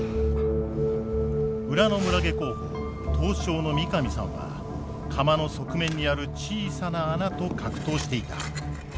裏の村下候補刀匠の三上さんは釜の側面にある小さな穴と格闘していた。